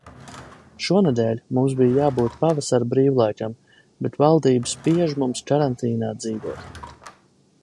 Šonedēļ mums bija jābūt pavasara brīvlaikam, bet valdība spiež mums karantīnā dzīvot.